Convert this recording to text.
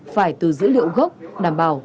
phải từ dữ liệu gốc đảm bảo